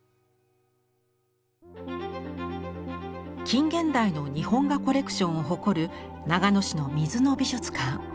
近現代の日本画コレクションを誇る長野市の水野美術館。